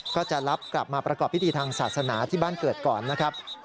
ก็จะรับกลับมาประกอบพิธีทางศาสนาที่บ้านเกิดก่อนนะครับ